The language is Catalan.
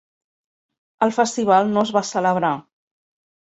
El festival no es va celebrar.